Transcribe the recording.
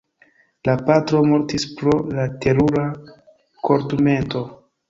La patro mortis pro la terura korturmento.